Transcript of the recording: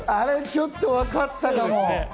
ちょっとわかったかも。